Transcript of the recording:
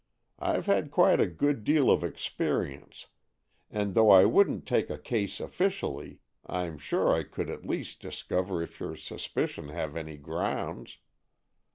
I've had quite a good deal of experience, and though I wouldn't take a case officially, I'm sure I could at least discover if your suspicions have any grounds."